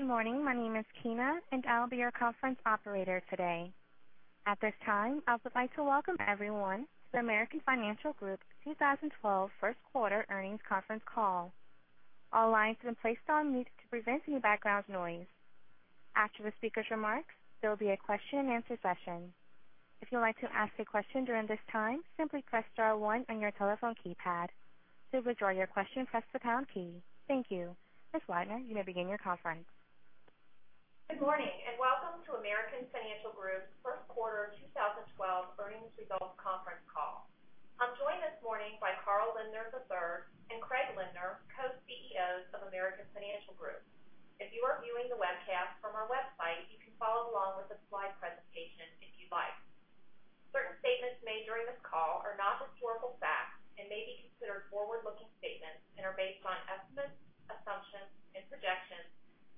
Good morning. My name is Kina, and I'll be your conference operator today. At this time, I would like to welcome everyone to the American Financial Group 2012 first quarter earnings conference call. All lines have been placed on mute to prevent any background noise. After the speaker's remarks, there will be a question-and-answer session. If you'd like to ask a question during this time, simply press star one on your telephone keypad. To withdraw your question, press the pound key. Thank you. Ms. Weidner, you may begin your conference. Good morning, welcome to American Financial Group's first quarter 2012 earnings results conference call. I'm joined this morning by Carl Lindner III and Craig Lindner, Co-CEOs of American Financial Group. If you are viewing the webcast from our website, you can follow along with the slide presentation if you'd like. Certain statements made during this call are not historical facts and may be considered forward-looking statements and are based on estimates, assumptions and projections,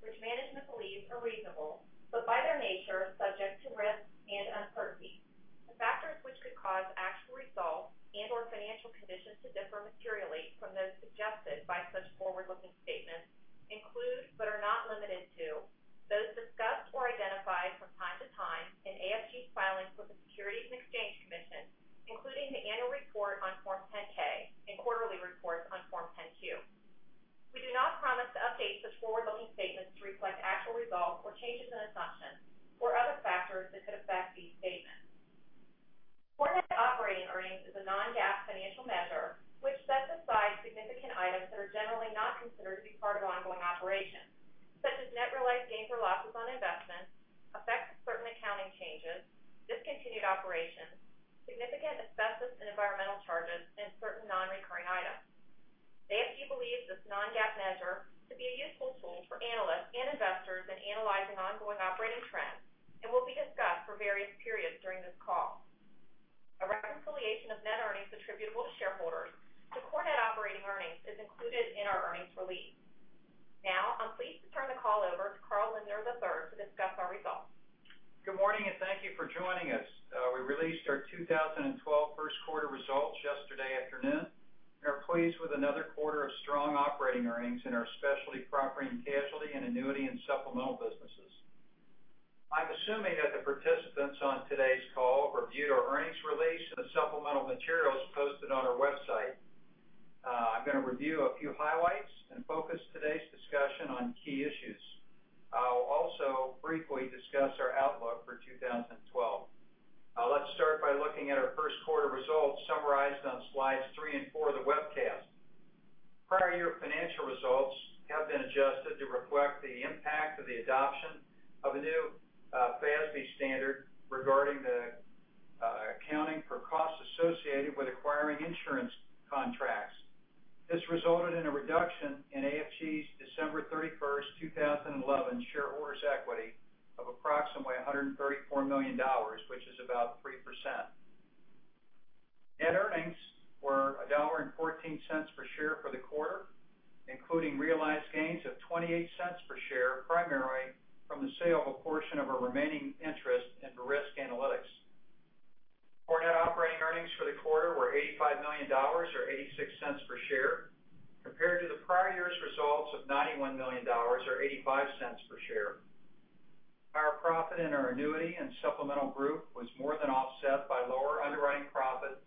which management believes are reasonable, but by their nature are subject to risks and uncertainties. The factors which could cause actual results and/or financial conditions to differ materially from those suggested by such forward-looking statements include, but are not limited to, those discussed or identified from time to time in AFG's filings with the Securities and Exchange Commission, including the annual report on Form 10-K and quarterly reports on Form 10-Q. We do not promise to update such forward-looking statements to reflect actual results or changes in assumptions or other factors that could affect these statements. Core net operating earnings is a non-GAAP financial measure which sets aside significant items that are generally not considered to be part of ongoing operations, such as net realized gains or losses on investments, effects of certain accounting changes, discontinued operations, significant asbestos and environmental charges, and certain non-recurring items. AFG believes this non-GAAP measure to be a useful tool for analysts and investors in analyzing ongoing operating trends and will be discussed for various periods during this call. A reconciliation of net earnings attributable to shareholders to core net operating earnings is included in our earnings release. Now, I'm pleased to turn the call over to Carl Lindner III to discuss our results. Good morning, thank you for joining us. We released our 2012 first quarter results yesterday afternoon and are pleased with another quarter of strong operating earnings in our specialty property and casualty and Annuity and Supplemental businesses. I'm assuming that the participants on today's call have reviewed our earnings release and the supplemental materials posted on our website. I'm going to review a few highlights and focus today's discussion on key issues. I'll also briefly discuss our outlook for 2012. Let's start by looking at our first quarter results summarized on slides three and four of the webcast. Prior year financial results have been adjusted to reflect the impact of the adoption of a new FASB standard regarding the accounting for costs associated with acquiring insurance contracts. This resulted in a reduction in AFG's December 31, 2011, shareholders' equity of approximately $134 million, which is about 3%. Net earnings were $1.14 per share for the quarter, including realized gains of $0.28 per share, primarily from the sale of a portion of our remaining interest in Verisk Analytics. Core net operating earnings for the quarter were $85 million, or $0.86 per share, compared to the prior year's results of $91 million, or $0.85 per share. Our profit in our Annuity and Supplemental Group was more than offset by lower underwriting profit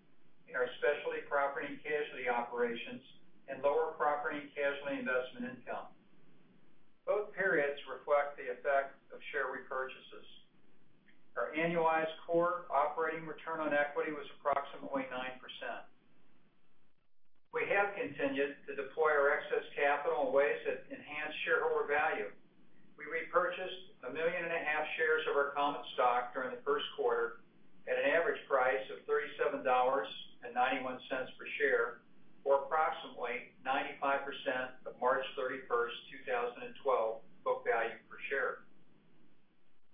in our specialty property and casualty operations and lower property and casualty investment income. Both periods reflect the effect of share repurchases. Our annualized core operating return on equity was approximately 9%. We have continued to deploy our excess capital in ways that enhance shareholder value. We repurchased 1.5 million shares of our common stock during the first quarter at an average price of $37.91 per share, or approximately 95% of March 31, 2012, book value per share.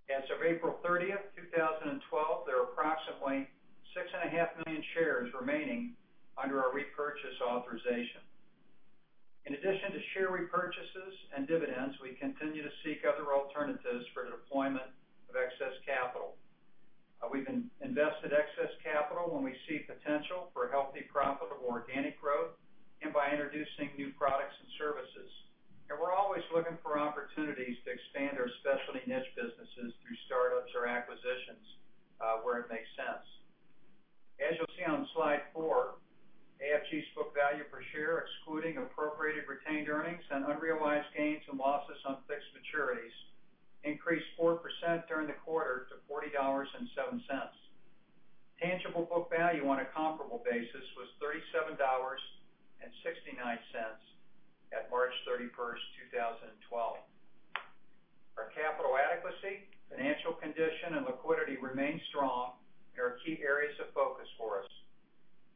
As of April 30, 2012, there are approximately 6.5 million shares remaining under our repurchase authorization. In addition to share repurchases and dividends, we continue to seek other alternatives for the deployment of excess capital. We've invested excess capital when we see potential for healthy, profitable organic growth and by introducing new products and services. We're always looking for opportunities to expand our specialty niche businesses through startups or acquisitions where it makes sense. As you'll see on slide four, AFG's book value per share, excluding appropriated retained earnings and unrealized gains and losses on fixed maturities, increased 4% during the quarter to $40.07. Tangible book value on a comparable basis was $37.69 at March 31, 2012. Our capital adequacy, financial condition, and liquidity remain strong and are key areas of focus for us.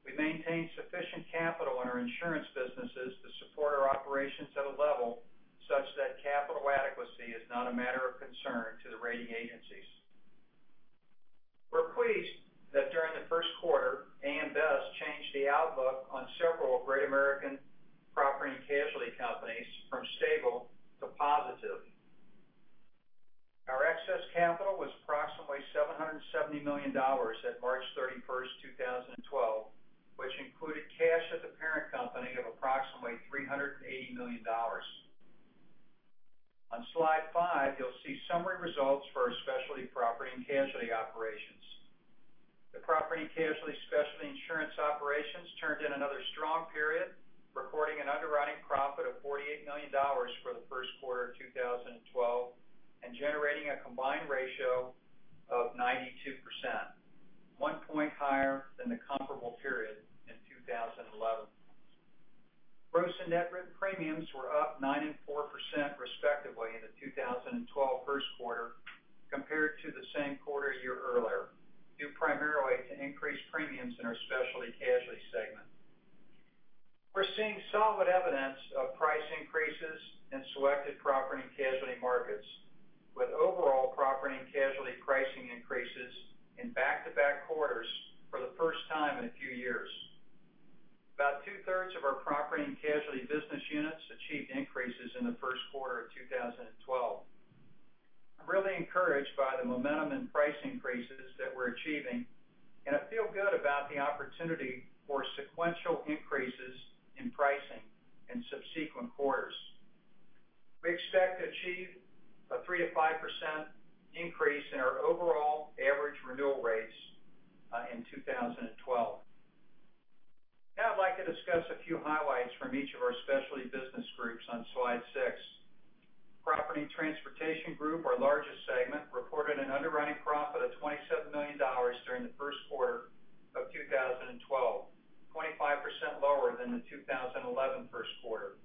We maintain sufficient capital in our insurance businesses to support our operations at a level such that capital adequacy is not a matter of concern to the rating agencies. We're pleased that during the first quarter, AM Best changed the outlook on several Great American property and casualty companies from stable to positive. Our excess capital was approximately $770 million at March 31, 2012, which included cash at the parent company of approximately $380 million. On slide five, you'll see summary results for our specialty property and casualty operations. The property and casualty specialty insurance operations turned in another strong period, recording an underwriting profit of $48 million for the first quarter of 2012 and generating a combined ratio of 92%, one point higher than the comparable period in 2011. Gross and net written premiums were up 9% and 4% respectively in the 2012 first quarter compared to the same quarter a year earlier, due primarily to increased premiums in our Specialty Casualty Segment. We're seeing solid evidence of price increases in selected property and casualty markets, with overall property and casualty pricing increases in back-to-back quarters for the first time in a few years. About two-thirds of our property and casualty business units achieved increases in the first quarter of 2012. I'm really encouraged by the momentum in price increases that we're achieving, and I feel good about the opportunity for sequential increases in pricing in subsequent quarters. We expect to achieve a 3%-5% increase in our overall average renewal rates in 2012. I'd like to discuss a few highlights from each of our specialty business groups on slide six. Property & Transportation Group, our largest segment, reported an underwriting profit of $27 million during the first quarter of 2012, 25% lower than the 2011 first quarter.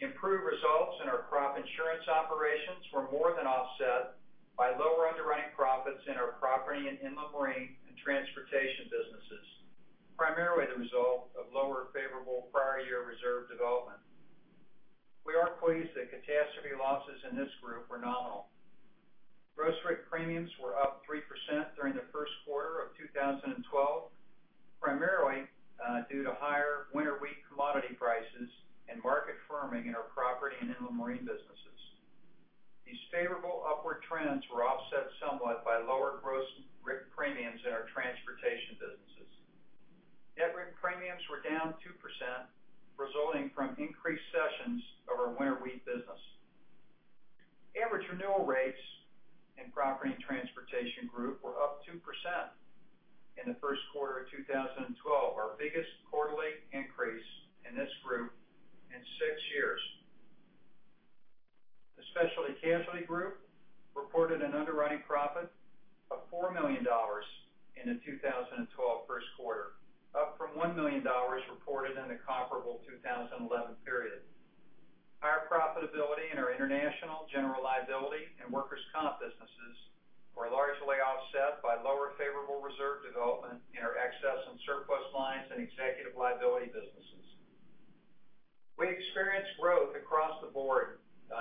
Improved results in our crop insurance operations were more than offset by lower underwriting profits in our property and inland marine and transportation businesses, primarily the result of lower favorable prior year reserve development. We are pleased that catastrophe losses in this group were nominal. Gross written premiums were up 3% during the first quarter of 2012, primarily due to higher winter wheat commodity prices and market firming in our property and inland marine businesses. These favorable upward trends were offset somewhat by lower gross written premiums in our transportation businesses. Net written premiums were down 2%, resulting from increased sessions of our winter wheat business. Average renewal rates in Property & Transportation Group were up 2% in the first quarter of 2012, our biggest quarterly increase in this group in six years. The Specialty Casualty Group reported an underwriting profit of $4 million in the 2012 first quarter, up from $1 million reported in the comparable 2011 period. Higher profitability in our international general liability and workers' comp businesses were largely offset by lower favorable reserve development in our excess and surplus lines and executive liability businesses. We experienced growth across the board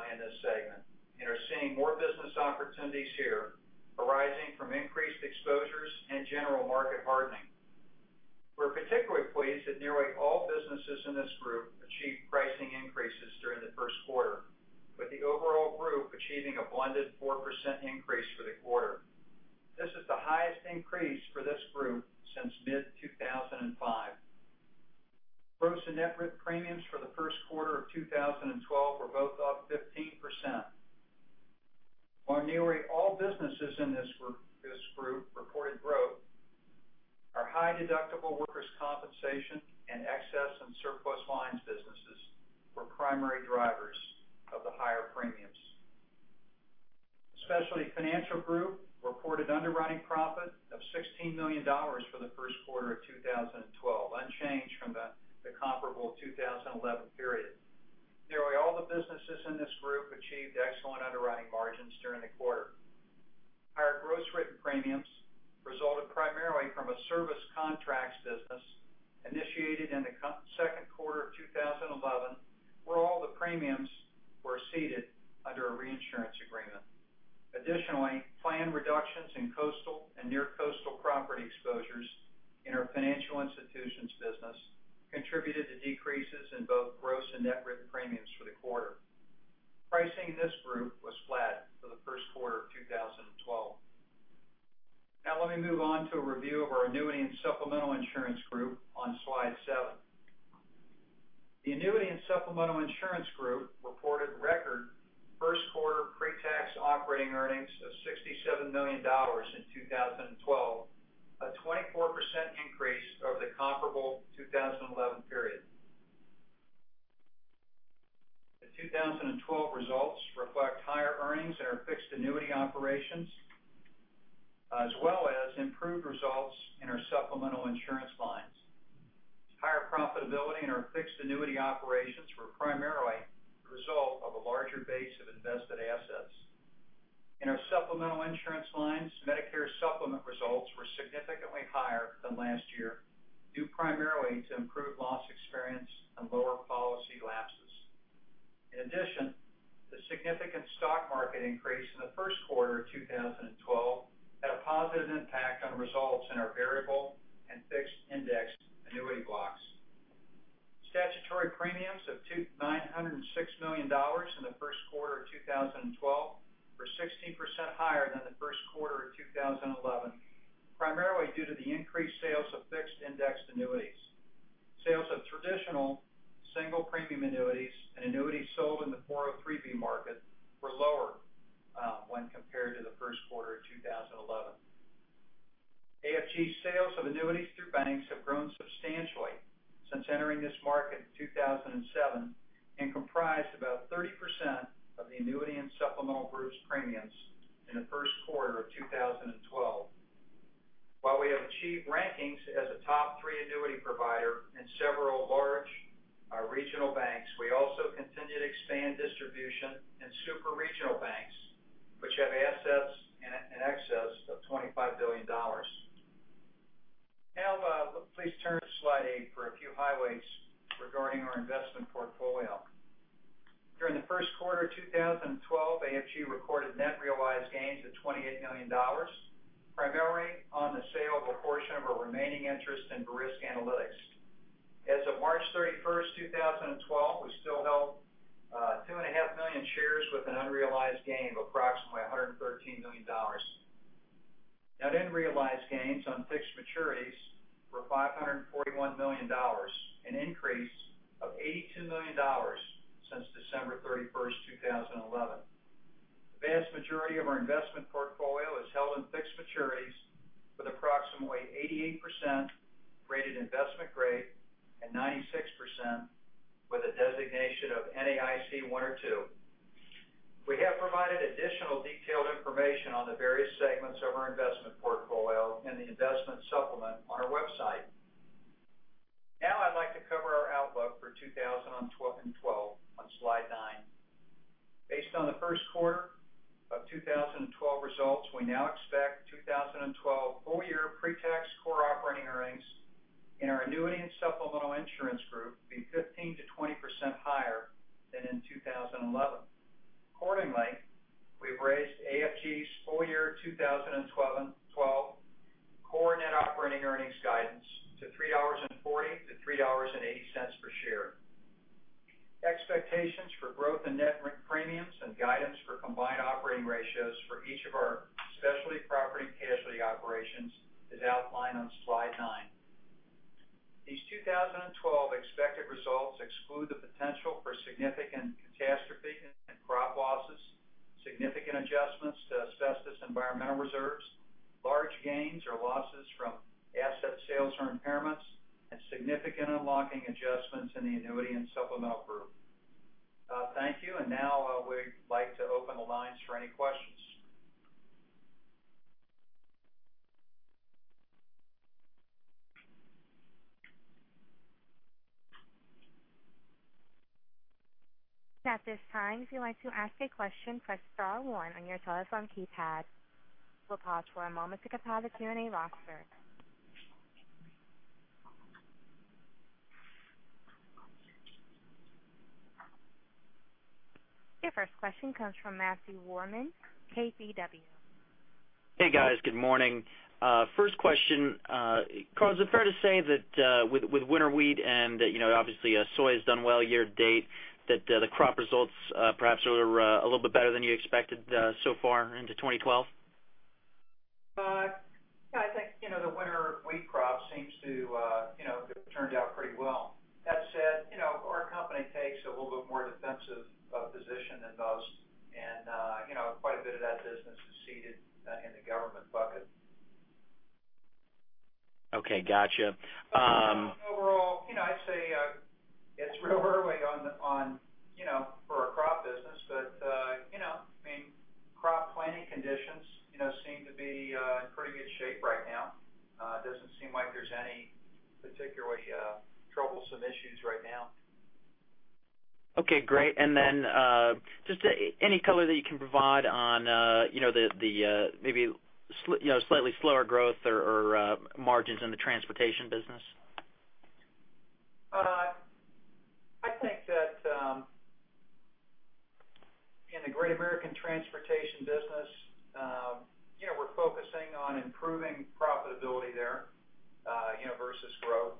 in this segment and are seeing more business opportunities here arising from increased exposures and general market hardening. We're particularly pleased that nearly all businesses in this group achieved pricing increases during the first quarter, with the overall group achieving a blended 4% increase for the quarter. This is the highest increase for this group since mid-2005. Gross and net written premiums for the first quarter of 2012 were both up 15%. While nearly all businesses in this group reported growth, our high-deductible workers' compensation and excess and surplus lines businesses were primary drivers of the higher premiums. Specialty Financial Group reported underwriting profit of $16 million for the first quarter of 2012, unchanged from the comparable 2011 period. Nearly all the businesses in this group achieved excellent underwriting margins during the quarter. Higher gross written premiums resulted primarily from a service contracts business initiated in the second quarter of 2011, where all the premiums were ceded under a reinsurance agreement. Planned reductions in coastal and near-coastal property exposures in our financial institutions business contributed to decreases in both gross and net written premiums for the quarter. Pricing in this group was flat for the first quarter of 2012. Let me move on to a review of our Annuity and Supplemental Insurance Group on slide seven. The Annuity and Supplemental Insurance Group reported record first quarter pre-tax operating earnings of $67 million in 2012, a 24% increase over the comparable 2011 period. The 2012 results reflect higher earnings in our fixed annuity operations, as well as improved results in our supplemental insurance lines. Higher profitability in our fixed annuity operations were primarily the result of a larger base of invested assets. In our supplemental insurance lines, Medicare Supplement results were significantly higher than last year, due primarily to improved loss experience and lower policy lapses. In addition, the significant stock market increase in the first quarter of 2012 had a positive impact on results in our variable and fixed indexed annuity blocks. Statutory premiums of $906 million in the first quarter of 2012 were 16% higher than the first quarter of 2011, primarily due to the increased sales of fixed indexed annuities. Sales of traditional single premium annuities and annuities sold in the 403(b) market were lower when compared to the first quarter of 2011. AFG's sales of annuities through banks have grown substantially since entering this market in 2007 and comprise about 30% of the Annuity and Supplemental Insurance Group's premiums in the first quarter of 2012. While we have achieved rankings as a top three annuity provider in several large regional banks, we also continue to expand distribution in super regional banks, which have assets in excess of $25 billion. Please turn to slide eight for a few highlights regarding our investment portfolio. During the first quarter of 2012, AFG recorded net realized gains of $28 million, primarily on the sale of a portion of our remaining interest in Verisk Analytics. As of March 31st, 2012, we still held 2.5 million shares with an unrealized gain of approximately $113 million. Net unrealized gains on fixed maturities were $541 million, an increase of $82 million since December 31st, 2011. The vast majority of our investment portfolio is held in fixed maturities with approximately 88% rated investment grade and 96% with a designation of NAIC 1 or 2. We have provided additional detailed information on the various segments of our investment portfolio in the investment supplement on our website. I'd like to cover our outlook for 2012 on slide nine. Based on the first quarter of 2012 results, we now expect 2012 full year pre-tax core operating earnings in our Annuity and Supplemental Insurance Group to be 15%-20% higher than in 2011. Accordingly, we've raised AFG's full year 2012 core net operating earnings guidance to $3.40-$3.80 per share. Expectations for growth in net premiums and guidance for combined operating ratios for each of our specialty property and casualty operations is outlined on slide nine. These 2012 expected results exclude the potential for significant catastrophe and crop losses, significant adjustments to asbestos environmental reserves, large gains or losses from asset sales or impairments, and significant unlocking adjustments in the Annuity and Supplemental Insurance Group. Thank you. We'd like to open the lines for any questions. At this time, if you'd like to ask a question, press star one on your telephone keypad. We'll pause for a moment to compose a Q&A roster. Your first question comes from Matthew Warman, KBW. Hey, guys. Good morning. First question. Carl, is it fair to say that with winter wheat and obviously soy has done well year-to-date, that the crop results perhaps are a little bit better than you expected so far into 2012? Yeah, I think the winter wheat crop seems to have turned out pretty well. That said, our company takes a little bit more defensive position than most, quite a bit of that business is seeded in the government bucket. Okay, got you. Overall, I'd say it's real early for our crop business, crop planting conditions seem to be in pretty good shape right now. It doesn't seem like there's any particularly troublesome issues right now. Okay, great. Just any color that you can provide on the maybe slightly slower growth or margins in the Transportation business? I think that in the Great American Transportation business, we're focusing on improving profitability there versus growth.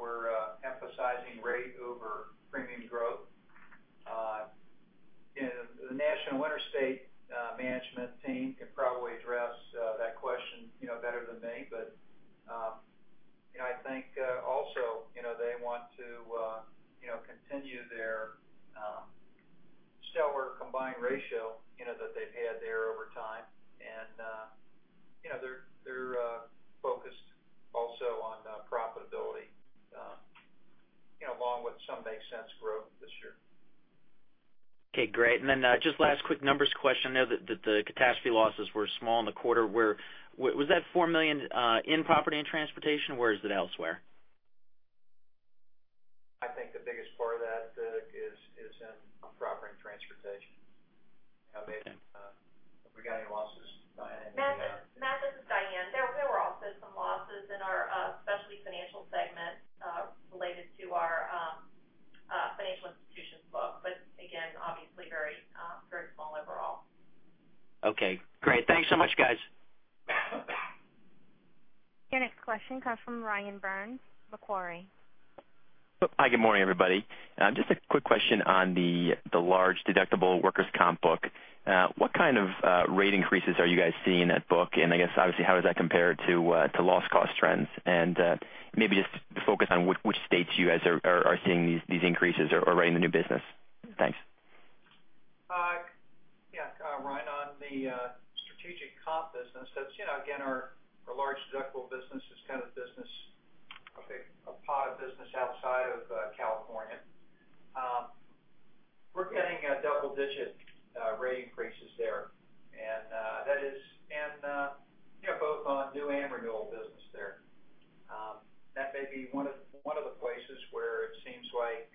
We're emphasizing rate over premium growth. The National Interstate management team can probably address that question better than me. I think also they want to continue their stellar combined ratio that they've had there over time. They're focused also on profitability along with some make sense growth this year. Okay, great. Just last quick numbers question. I know that the catastrophe losses were small in the quarter. Was that $4 million in Property and Transportation, or is it elsewhere? I think the biggest part of that is in Property and Transportation. Have we got any losses, Diane? Matt, this is Diane. There were also some losses in our Specialty Financial segment related to our financial institutions book. Again, obviously very small overall. Okay, great. Thanks so much, guys. Your next question comes from Ryan Burns, Macquarie. Hi, good morning, everybody. Just a quick question on the high-deductible workers' compensation book. What kind of rate increases are you guys seeing in that book? I guess obviously, how does that compare to loss cost trends? Maybe just to focus on which states you guys are seeing these increases or writing the new business. Thanks. Yeah. Ryan, on the Strategic Comp business, that's again, our large deductible business is kind of a pot of business outside of California. That is both on new and renewal business there. That may be one of the places where it seems like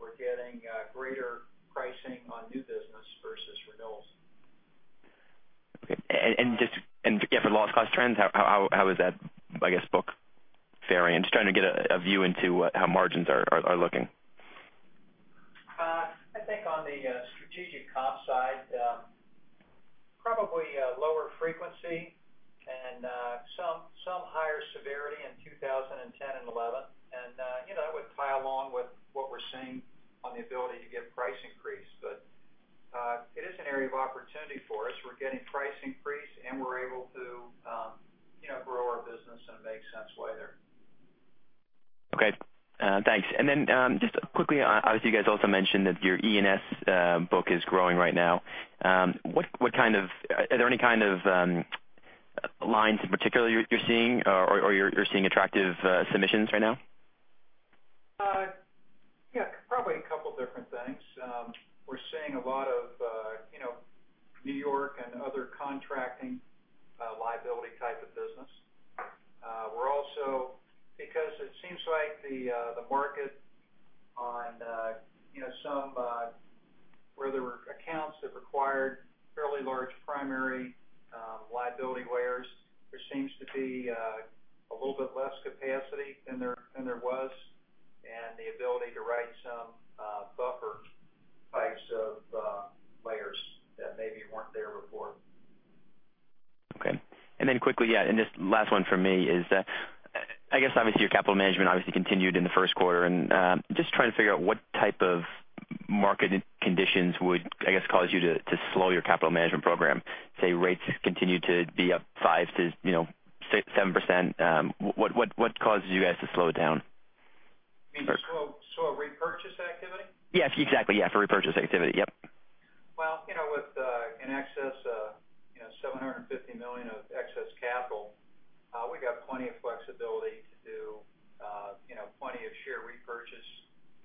we're getting greater pricing on new business versus renewals. Okay. Just for loss cost trends, how is that book faring? Just trying to get a view into how margins are looking. I think on the Strategic Comp side, probably lower frequency and some higher severity in 2010 and 2011. That would tie along with what we're seeing on the ability to get price increase. It is an area of opportunity for us. We're getting price increase, and we're able to grow our business in a make-sense way there. Okay. Thanks. Just quickly, obviously, you guys also mentioned that your E&S book is growing right now. Are there any kind of lines in particular you're seeing or you're seeing attractive submissions right now? Probably a couple of different things. We're seeing a lot of New York and other contracting liability type of business. It seems like the market on where there were accounts that required fairly large primary liability layers, there seems to be a little bit less capacity than there was, and the ability to write some buffer types of layers that maybe weren't there before. Okay. Quickly, this last one from me is, obviously your capital management obviously continued in the first quarter, just trying to figure out what type of market conditions would cause you to slow your capital management program. Say rates continue to be up 5%-6%, 7%. What causes you guys to slow it down? You mean slow repurchase activity? Yes, exactly. For repurchase activity. Yep. Well, with $750 million of excess capital, we got plenty of flexibility to do plenty of share repurchase,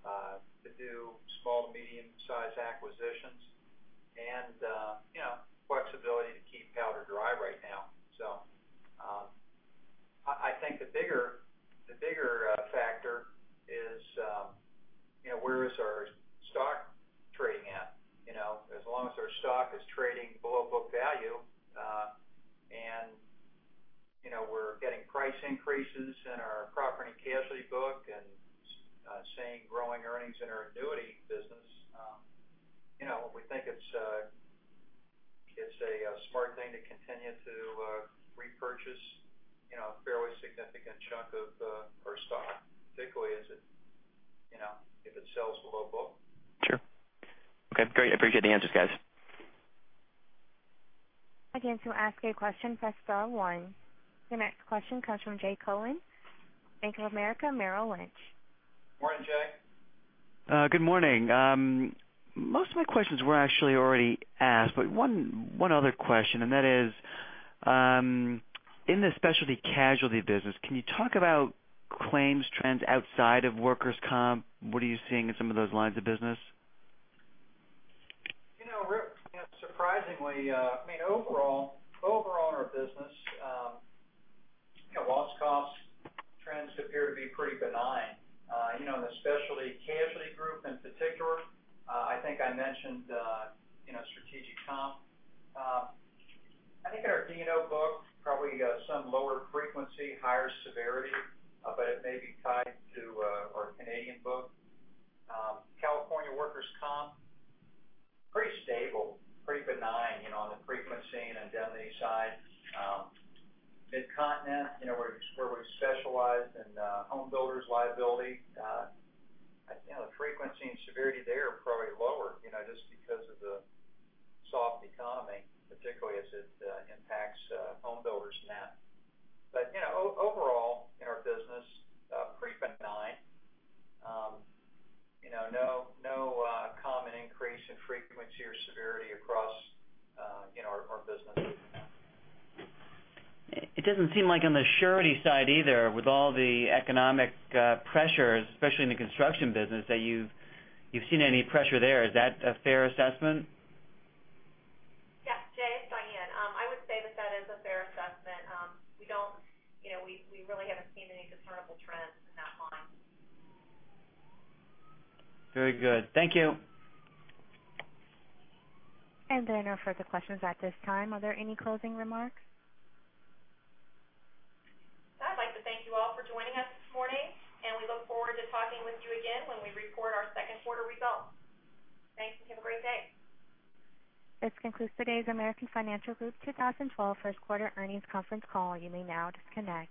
to do small to medium-size acquisitions, and flexibility to keep powder dry right now. I think the bigger factor is where is our stock trading at? As long as our stock is trading below book value, and we're getting price increases in our property and casualty book and seeing growing earnings in our annuity business, we think it's a smart thing to continue to repurchase a fairly significant chunk of our stock, particularly if it sells below book. Sure. Okay, great. I appreciate the answers, guys. Again, to ask a question, press star one. Your next question comes from Jay Cohen, Bank of America, Merrill Lynch. Morning, Jay. Good morning. Most of my questions were actually already asked, one other question, and that is, in the Specialty Casualty business, can you talk about claims trends outside of workers' compensation? What are you seeing in some of those lines of business? Surprisingly, overall in our business, loss cost trends appear to be pretty benign. In the Specialty Casualty Group in particular, I think I mentioned Strategic Comp. I think in our D&O book, probably some lower frequency, higher severity, it may be tied to our Canadian book. California workers' comp, pretty stable, pretty benign on the frequency and indemnity side. Mid-Continent, where we specialize in home builders' liability, the frequency and severity there are probably lower, just because of the soft economy, particularly as it impacts home builders in that. Overall in our business, pretty benign. No common increase in frequency or severity across our business. It doesn't seem like on the surety side either, with all the economic pressures, especially in the construction business, that you've seen any pressure there. Is that a fair assessment? Yes. Jay, it's Diane. I would say that that is a fair assessment. We really haven't seen any discernible trends in that line. Very good. Thank you. There are no further questions at this time. Are there any closing remarks? I'd like to thank you all for joining us this morning, and we look forward to talking with you again when we report our second quarter results. Thanks, and have a great day. This concludes today's American Financial Group 2012 First Quarter Earnings Conference Call. You may now disconnect.